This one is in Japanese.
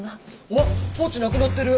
わっポーチなくなってる！